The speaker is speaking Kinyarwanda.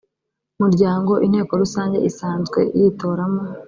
muryango inteko rusange isanzwe yitoramo